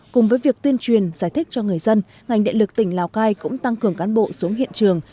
cùng với việc tuyên truyền giải thích cho người dân ngành điện lực tỉnh lào cai cũng tăng cường cán bộ xuống hiện trường